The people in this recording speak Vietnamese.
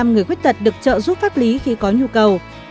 một trăm linh người khuyết tật được trợ giúp pháp lý khi có nhu cầu